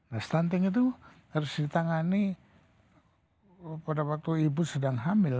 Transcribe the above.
nah stunting itu harus ditangani pada waktu ibu sedang hamil